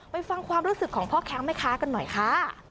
ฟังความรู้สึกของพ่อค้าแม่ค้ากันหน่อยค่ะ